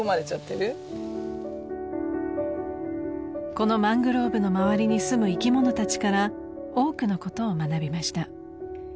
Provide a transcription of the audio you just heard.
［このマングローブの周りにすむ生き物たちから多くのことを学びました］